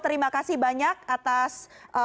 terima kasih banyak atas